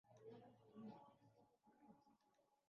কিন্তু তিনি জিউসের কাছে অমর থাকার নিয়মাবলী জেনে নেননি।